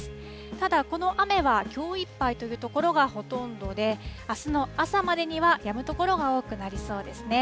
ただ、この雨はきょういっぱいという所がほとんどで、あすの朝までにはやむ所が多くなりそうですね。